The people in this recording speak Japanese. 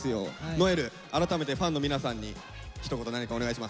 如恵留改めてファンの皆さんにひと言何かお願いします。